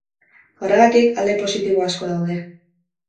Horregatik, alde positibo asko daude.